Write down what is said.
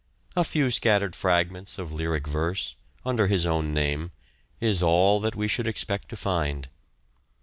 A few scattered fragments of lyric verse, under his own name, is all that we should expect to find.